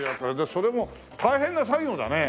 それも大変な作業だね。